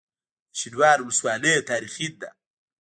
د شینوارو ولسوالۍ تاریخي ده